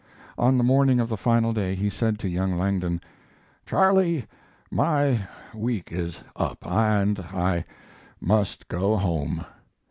On the morning of the final day he said to young Langdon: "Charley, my week is up, and I must go home."